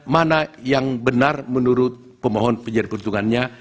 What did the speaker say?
mana yang benar menurut pemohon penjari perhitungannya